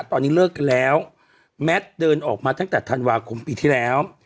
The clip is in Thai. ตอนนี้เลิกกันแล้วแมทเดินออกมาตั้งแต่ธันวาคมปีที่แล้ว